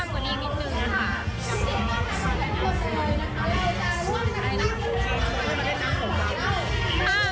แล้วก็สนุกทุกปีมีพืชมนุ่มทุกปีนะคะ